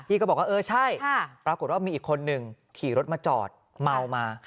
ก็บอกว่าเออใช่ปรากฏว่ามีอีกคนหนึ่งขี่รถมาจอดเมามา